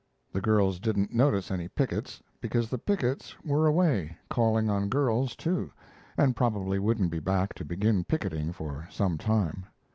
The girls didn't notice any pickets, because the pickets were away calling on girls, too, and probably wouldn't be back to begin picketing for some time.